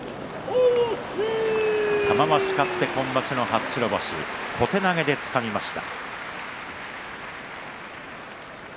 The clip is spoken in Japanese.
玉鷲、勝って今場所の初白星小手投げでつかみました。